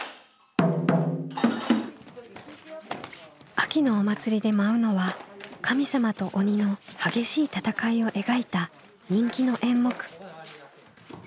秋のお祭りで舞うのは神様と鬼の激しい戦いを描いた人気の演目。